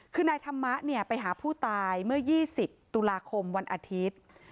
คือนายธรรมะไปหาผู้ตายเมื่อ๒๐ตุลาคมวันอาทิตย์